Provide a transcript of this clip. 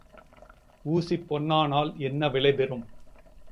ஊசி பொன்னானால் என்ன விலை பெறும்.